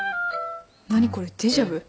何これデジャブ？